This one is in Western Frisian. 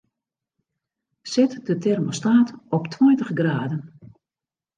Set de termostaat op tweintich graden.